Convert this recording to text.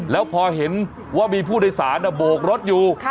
แล้วพอเห็นว่ามีผู้โดยสารโบกรถอยู่